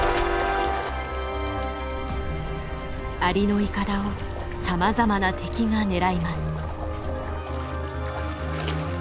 アリのイカダをさまざまな敵が狙います。